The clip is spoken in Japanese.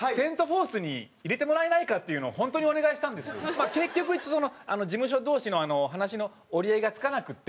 まあ結局事務所同士の話の折り合いがつかなくて。